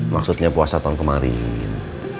maksudnya puasa tahun kemarin